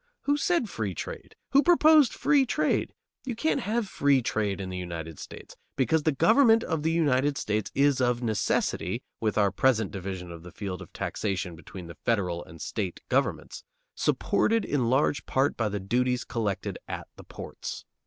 Who said free trade? Who proposed free trade? You can't have free trade in the United States, because the government of the United States is of necessity, with our present division of the field of taxation between the federal and state governments, supported in large part by the duties collected at the ports.